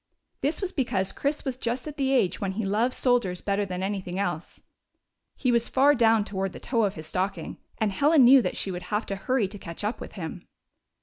This was because Chris was just at the age when he loved soldiers better than anything else. He was far down toward the toe of his stocking, and Helen knew that she would have to hurry to catch up with him.